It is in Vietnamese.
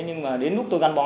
nhưng mà đến lúc tôi gắn bó